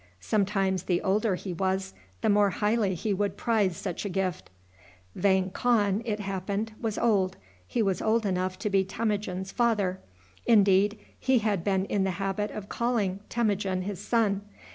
Sometimes the older he was the more highly he would prize such a gift. Vang Khan, it happened, was old. He was old enough to be Temujin's father. Indeed, he had been in the habit of calling Temujin his son.